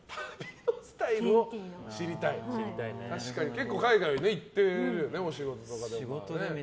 結構、海外は行ってるよねお仕事とかで。